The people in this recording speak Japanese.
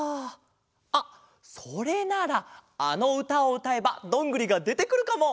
あっそれならあのうたをうたえばどんぐりがでてくるかも。